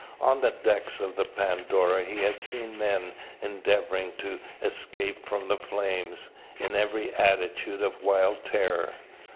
On the decks of the Pandora he had seen men endeavouring to escape from the flames, in every attitude of wild terror.